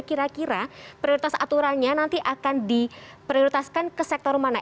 kira kira prioritas aturannya nanti akan diprioritaskan ke sektor mana